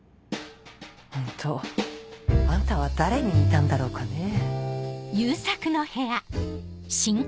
ホントあんたは誰に似たんだろうかねぇ。